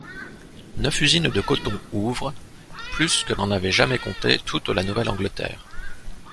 Neuf usines de coton ouvrent, plus que n'en avait jamais compté toute la Nouvelle-Angleterre.